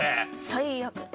最悪。